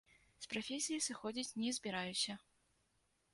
З прафесіі сыходзіць не збіраюся.